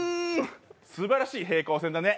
すばらしい平行線だね。